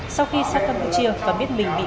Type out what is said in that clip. sau khi sang campuchia và biết mình bị bắt